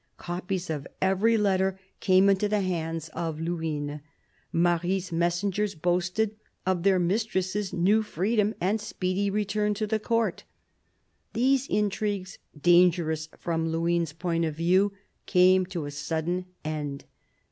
Copies of every letter came into the hands of Luynes. Marie's messengers boasted of their mistress's new freedom and speedy return to the Court. These intrigues, dangerous from Luynes' point of view, came to a sudden end.